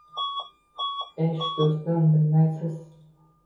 Esh, do’stim, bilmaysiz